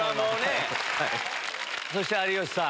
そして有吉さん。